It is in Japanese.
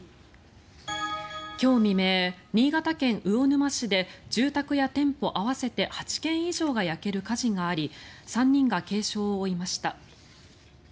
今日未明、新潟県魚沼市で住宅や店舗合わせて８軒以上が焼ける火事があり３人が軽傷を負いました。